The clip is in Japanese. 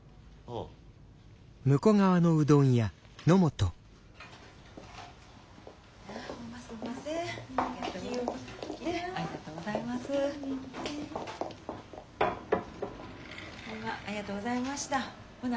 ホンマありがとうございましたほな